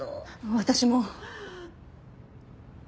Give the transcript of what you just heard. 私も。